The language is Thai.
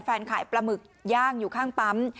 ขายปลาหมึกย่างอยู่ข้างปั๊ม